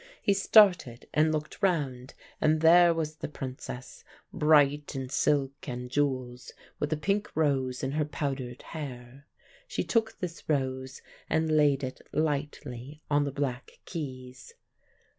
He started and looked round, and there was the Princess, bright in silk and jewels, with a pink rose in her powdered hair. She took this rose and laid it lightly on the black keys.